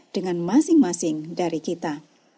dengan masing masing dari kita